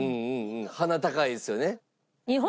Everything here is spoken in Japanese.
鼻高いですよね。